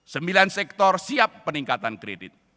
sembilan sektor siap peningkatan kredit